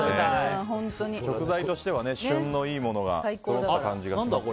食材としては旬のいいものな感じがしますよ。